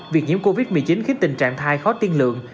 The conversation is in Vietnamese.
việc nhiễm covid một mươi chín khiến tình trạng thai khó tiên lượng